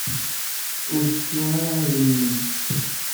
Ur ttettu ara idrimen-im.